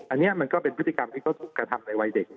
อันนี้มันก็เป็นพฤติกรรมที่เขาถูกกระทำในวัยเด็ก